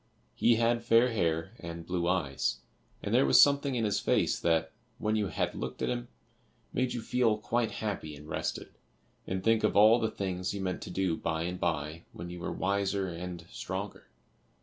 He had fair hair and blue eyes, and there was something in his face that, when you had looked at him, made you feel quite happy and rested, and think of all the things you meant to do by and by when you were wiser and stronger.